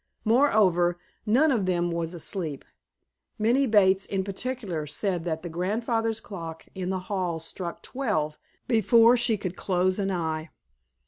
Moreover, none of them was asleep. Minnie Bates, in particular, said that the "grandfather's clock" in the hall struck twelve before she "could close an eye."